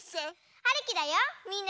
はるきだよみんなげんき？